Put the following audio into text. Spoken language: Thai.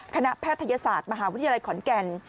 แพทยศาสตร์มหาวิทยาลัยขอนแก่น